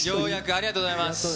ありがとうございます。